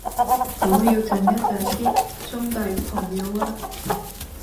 我要讚一讚啲中大嘅朋友呀